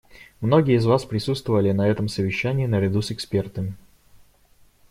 Многие из вас присутствовали на этом совещании наряду с экспертами.